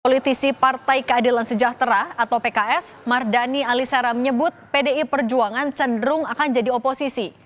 politisi partai keadilan sejahtera atau pks mardani alisera menyebut pdi perjuangan cenderung akan jadi oposisi